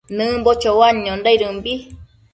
Nëmbo choanondaidëmbi